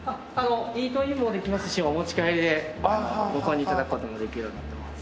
イートインもできますしお持ち帰りでご購入頂く事もできるようになってます。